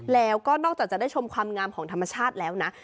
แล้วก็นอกจากจะได้ชมความงามของธรรมชาติแล้วนะ